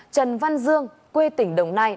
trần văn dương quê tỉnh đồng nai